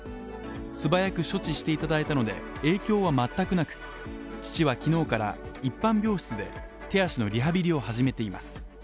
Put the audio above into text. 素早く処置していただいたので影響は全くなく父は昨日から、一般病室で手足のリハビリを始めています。